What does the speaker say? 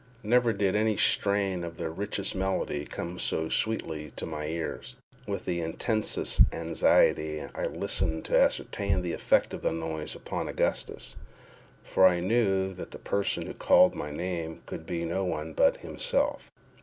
Never did any strain of the richest melody come so sweetly to my ears! With the intensest anxiety I listened to ascertain the effect of the noise upon Augustus—for I knew that the person who called my name could be no one but himself.